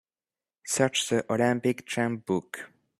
Search The Olympic Champ book.